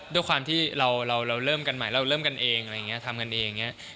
ด้วยความที่เราเริ่มกันใหม่เราเริ่มกันเองอะไรอย่างนี้ทำกันเองอย่างนี้